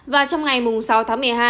và trong ngày sáu tháng một mươi hai